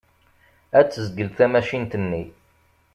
Ad tezgel tamacint-nni.